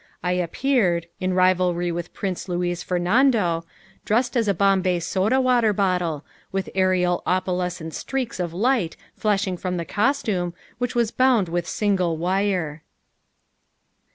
I appeared, in rivalry with Prince Luis Fernando dressed as a Bombay soda water bottle, with aerial opalescent streaks of light flashing from the costume which was bound with single wire.